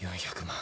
４００万？